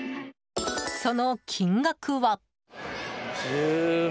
その金額は。